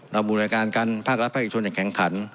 เราหมู่ในรายการกันภาครัฐภาคอีกชนอย่างแข่งขัน